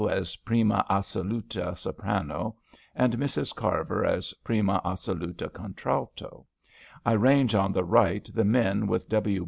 as prima assoluta soprano and Mrs. Carver as prima assoluta contralto, I range on the right the men with W.